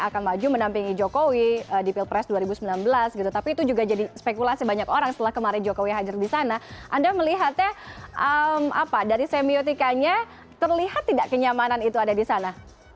kemarin jokowi yang hajar di sana anda melihatnya dari semiotikanya terlihat tidak kenyamanan itu ada di sana